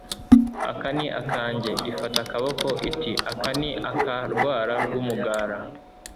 aka ni akange. ifata akaboko itiaka ni aka rwara rw'umugara